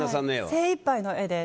精いっぱいの絵で。